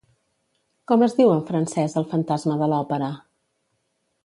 Com es diu en francès El fantasma de l'Òpera?